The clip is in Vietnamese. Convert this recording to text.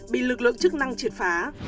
bị lực lượng chức năng triệt phá